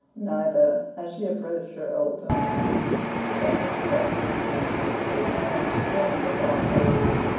Neither, as she approached her old home now, did any of the best influences of old home descend upon her.